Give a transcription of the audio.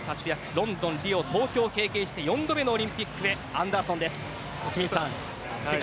ロンドン、リオ、東京を経験して４度目のオリンピックへアンダーソンです。